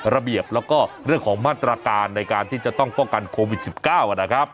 ระเบียบแล้วก็เรื่องของมาตรการในการที่จะต้องป้องกันโควิด๑๙นะครับ